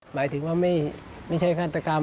หมายถึงว่าไม่ใช่ฆาตกรรม